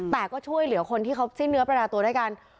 แต่ก็ช่วยเหลือคนที่เขาสิ้นเนื้อประดาตัวด้วยกัน